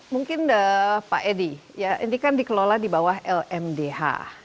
mungkin pak edi ini kan dikelola di bawah lmdh